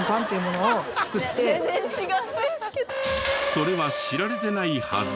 それは知られてないはず。